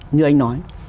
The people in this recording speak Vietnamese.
như anh nói